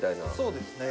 そうですね。